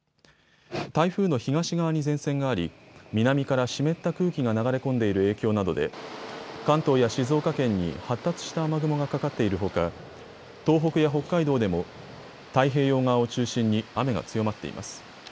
台風の東側に前線があり南から湿った空気が流れ込んでいる影響などで関東や静岡県に発達した雨雲がかかっているほか東北や北海道でも太平洋側を中心に雨が強まっています。